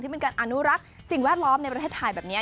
เป็นการอนุรักษ์สิ่งแวดล้อมในประเทศไทยแบบนี้